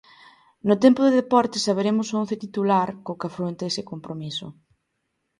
No tempo de deportes saberemos o once titular co que afronta ese compromiso.